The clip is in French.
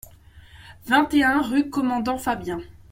vingt et un rue Commandant Fabien